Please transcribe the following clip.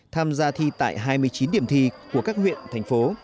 tham gia thi tại hai mươi chín điểm thi của các huyện thành phố